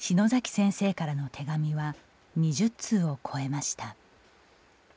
先生からの手紙は２０通を超えました。